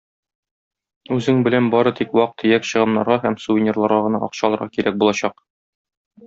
Үзең белән бары тик вак-төяк чыгымнарга һәм сувенирларга гына акча алырга кирәк булачак.